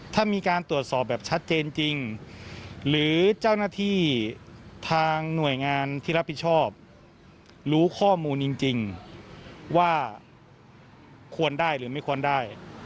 ถ้ามีการตรวจสอบแบบชัดเจนจริงหรือเจ้าหน้าที่ทางหน่วยงานที่รับผิดชอบรู้ข้อมูลจริงว่าควรได้หรือไม่ควรได้